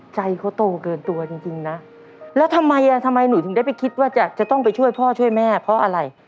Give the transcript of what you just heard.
ใจเขาโตเกินตัวจริงนะแล้วทำไมอ่ะทำไมหนูถึงได้ไปคิดว่าจะต้องไปช่วยพ่อช่วยแม่เพราะอะไร